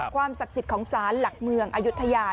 ความศักดิ์สิทธิ์ของศาลหลักเมืองอายุทยา